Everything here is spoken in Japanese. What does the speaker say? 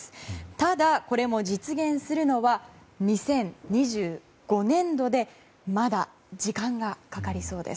ただ、これも実現するのは２０２５年度でまだ時間がかかりそうです。